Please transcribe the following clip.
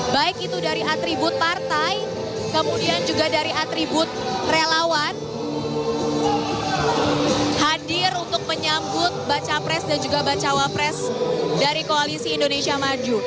baik itu dari atribut partai kemudian juga dari atribut relawan hadir untuk menyambut baca pres dan juga bacawa pres dari koalisi indonesia maju